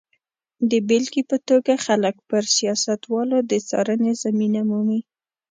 د بېلګې په توګه خلک پر سیاستوالو د څارنې زمینه مومي.